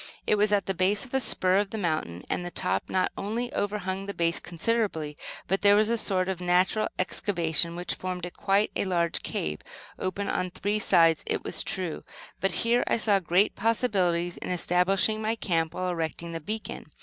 It was at the base of a spur of the mountain; and the top not only overhung the base considerably, but, there was a sort of natural excavation which formed quite a large cave, open on three sides, it was true; but here I saw great possibilities in establishing my camp while erecting the beacon.